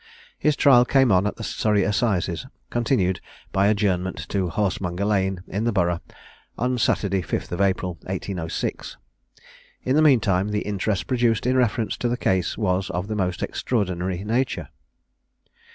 His trial came on at the Surrey assizes, continued by adjournment to Horsemonger lane, in the Borough, on Saturday, 5th April 1806. In the mean time the interest produced in reference to the case was of the most extraordinary nature.